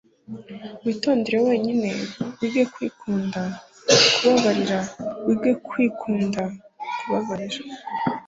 witondere wenyine, wige kwikunda, kubabarira, wige kwikunda, kubabarira